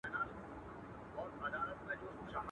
د هندو د کوره قرآن راووتی.